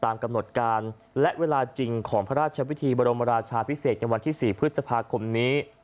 กำหนดการและเวลาจริงของพระราชวิธีบรมราชาพิเศษในวันที่๔พฤษภาคมนี้